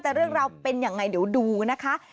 แต่เรื่องราวเป็นยังไงเดี๋ยวดูนะคะ